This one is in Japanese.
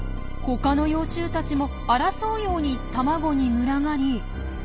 他の幼虫たちも争うように卵に群がり。